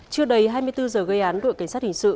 trước đây hai mươi bốn h gây án đội cảnh sát hình sự